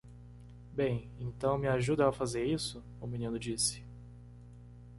"Bem, então? me ajuda a fazer isso?" o menino disse.